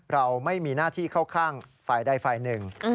เราไม่มีหน้าที่เข้าข้างฝ่ายใดฝ่ายหนึ่ง